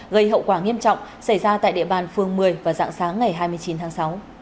gây hậu quả nghiêm trọng xảy ra tại địa bàn phường một mươi và dạng sáng ngày hai mươi chín tháng sáu